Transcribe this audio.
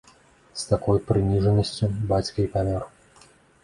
З такой прыніжанасцю бацька і памёр.